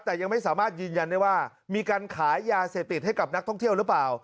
แต่ยังไม่สามารถยืนยันได้ว่ามีการขายยาเสพติดให้กับนักท่องเที่ยวหรือเปล่า